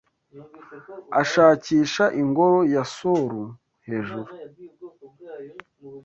ashakisha ingoro ya Solu hejuru